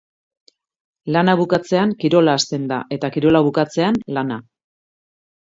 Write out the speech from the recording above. Lana bukatzean kirola hasten da eta kirola bukatzean lana.